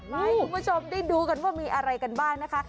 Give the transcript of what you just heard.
ให้คุณผู้ชมได้ดูกันว่ามีอะไรกันบ้างนะคะ